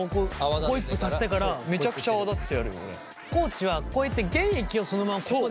地はこうやって原液をそのままここで。